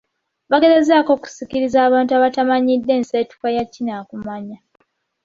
Bagezaako okusikiriza abantu abatamanyiridde nseetuka ya kinnakumanya.